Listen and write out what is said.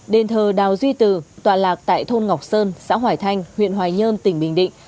hai nghìn một mươi chín đền thờ đào duy tử tọa lạc tại thôn ngọc sơn xã hỏi thanh huyện hoài nhơn tỉnh bình định